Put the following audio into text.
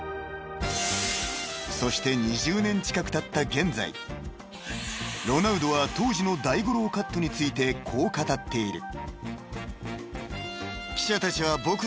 ［そして２０年近くたった現在ロナウドは当時の大五郎カットについてこう語っている］